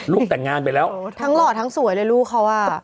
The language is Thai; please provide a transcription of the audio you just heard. แต่งงานไปแล้วทั้งหล่อทั้งสวยเลยลูกเขาอ่ะ